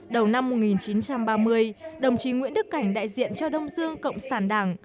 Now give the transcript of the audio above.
đầu năm một nghìn chín trăm ba mươi đồng chí nguyễn đức cảnh đại diện cho đông dương cộng sản đảng